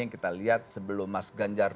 yang kita lihat sebelum mas ganjar